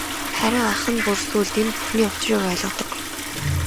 Харин ах нь бүр сүүлд энэ бүхний учрыг ойлгодог.